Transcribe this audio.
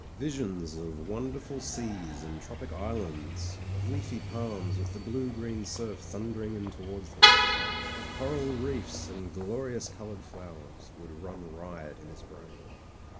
Visions of wonderful seas and tropic islands, of leafy palms with the blue green surf thundering in towards them, of coral reefs and glorious coloured flowers, would run riot in his brain.